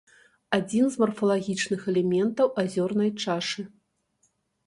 Адзін з марфалагічных элементаў азёрнай чашы.